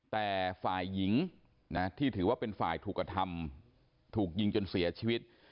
แต่ฝ่ายหญิงนะที่ถือว่าเป็นฝ่ายถูกกระทำถูกยิงจนเสียชีวิต